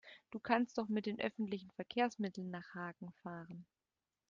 Du kannst doch mit öffentlichen Verkehrsmitteln nach Hagen fahren